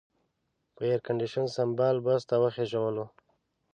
په ایرکنډېشن سمبال بس ته وخېژولو.